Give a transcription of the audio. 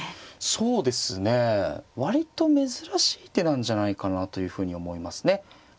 そうですね割と珍しい手なんじゃないかなというふうに思いますね。